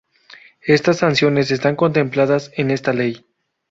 Estas sanciones están contempladas en esta ley.